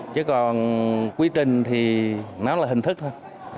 chứ còn quy trình thì nó là hình thức thôi